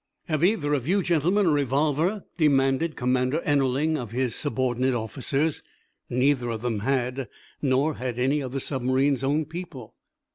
"Have either of you gentlemen a revolver?" demanded Commander Ennerling of his subordinate officers. Neither of them had. Nor had any of the submarine's own people.